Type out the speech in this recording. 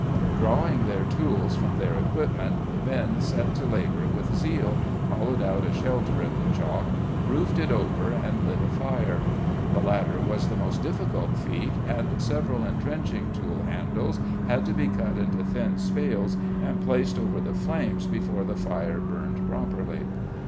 Drawing their tools from their equipment, the men set to labour with zeal, hollowed out a shelter in the chalk, roofed it over and lit a fire. The latter was the most difficult feat, and several entrenching tool handles had to be cut into thin spales and placed over the flames before the fire burned properly.